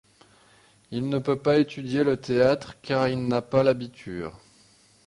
Il ne peut pas étudier le théâtre, car il n'a pas l'abitur.